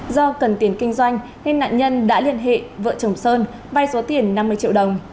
do cần tiền kinh doanh nên nạn nhân đã liên hệ vợ chồng sơn vay số tiền năm mươi triệu đồng